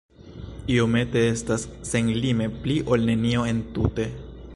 Iomete estas senlime pli ol nenio entute.